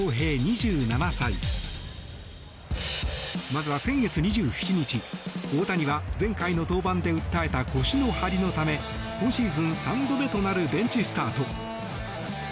まずは先月２７日大谷は、前回の登板で訴えた腰の張りのため今シーズン３度目となるベンチスタート。